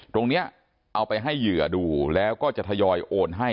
ตรงนี้เอาไปให้เหยื่อดูแล้วก็จะทยอยโอนให้